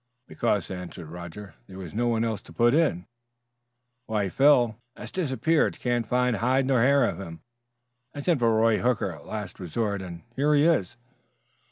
"Because," answered Roger, "there was no one else to put in." "Why, Phil " "Has disappeared; can't find hide nor hair of him. I sent for Roy Hooker as a last resort and here he is!"